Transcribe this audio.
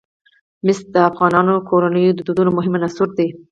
مس د افغان کورنیو د دودونو مهم عنصر دی.